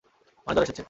মানে, জ্বর এসেছে।